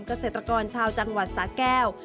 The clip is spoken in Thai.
เกษตรกรชาวจังหวัดสาแก้ว